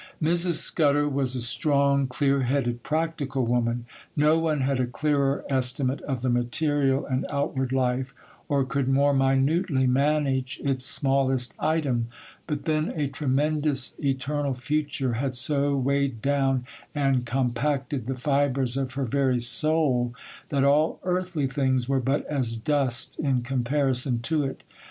Mrs. Scudder was a strong clear headed, practical woman. No one had a clearer estimate of the material and outward life, or could more minutely manage its smallest item; but then a tremendous, eternal future had so weighed down and compacted the fibres of her very soul, that all earthly things were but as dust in comparison to it.